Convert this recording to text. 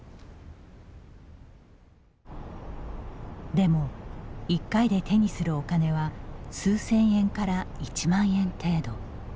でも１回で手にするお金は数千円から１万円程度。